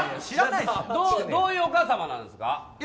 どういうお母様なんですか。